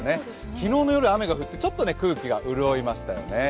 昨日の夜雨が降って、ちょっと空気がうるおいましたよね。